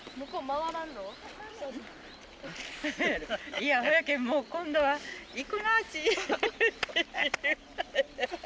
いやそやけんもう今度は行くな。